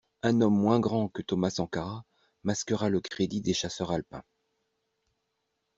Un homme moins grand que Thomas Sankara masquera le crédit avec des chasseurs alpins!